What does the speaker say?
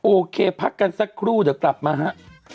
โอเคพักกันสักครู่เดี๋ยวกลับมาฮะ